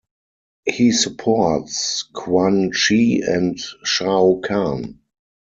He supports Quan Chi and Shao Kahn.